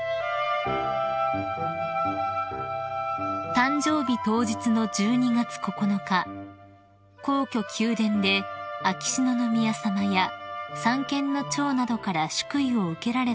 ［誕生日当日の１２月９日皇居宮殿で秋篠宮さまや三権の長などから祝意を受けられた皇后さま］